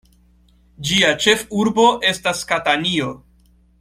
Ĝia ĉefurbo estas Katanio.